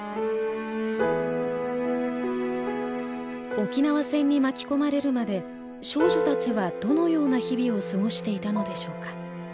沖縄戦に巻き込まれるまで少女たちはどのような日々を過ごしていたのでしょうか。